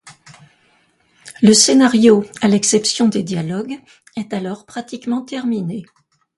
Le scénario, à l'exception des dialogues, est alors pratiquement terminé.